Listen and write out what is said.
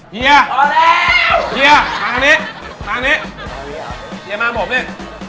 เฮียพอแล้วเฮียมาข้างนี้มาข้างนี้เฮียมาบอกเดี๋ยว